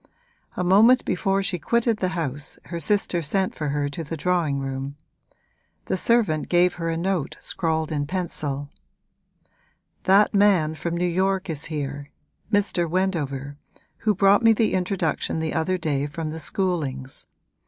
A moment before she quitted the house her sister sent for her to the drawing room; the servant gave her a note scrawled in pencil: 'That man from New York is here Mr. Wendover, who brought me the introduction the other day from the Schoolings.